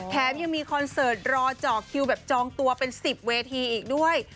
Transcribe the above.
แถมยังมีคอนเสิร์ตรอเจาะคิวแบบจองตัวเป็น๑๐เวทีอีกด้วย